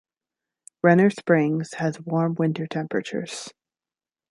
Renner Springs has warm winter temperatures.